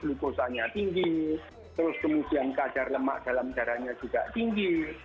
glukosanya tinggi terus kemudian kadar lemak dalam darahnya juga tinggi